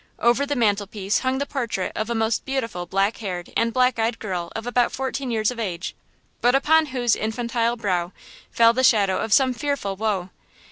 Over the mantelpiece hung the portrait of a most beautiful black haired and black eyed girl of about fourteen years of age, but upon whose infantile brow fell the shadow of some fearful woe.